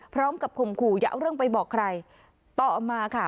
ข่มขู่อย่าเอาเรื่องไปบอกใครต่อมาค่ะ